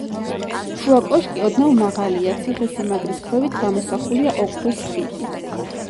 შუა კოშკი ოდნავ მაღალია, ციხე-სიმაგრის ქვევით გამოსახულია ოქროს ხიდი.